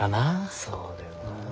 そうだよな。